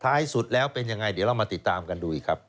สุดแล้วเป็นยังไงเดี๋ยวเรามาติดตามกันดูอีกครับ